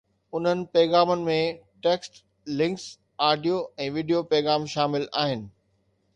انهن پيغامن ۾ text, links, audio ۽ video پيغام شامل آهن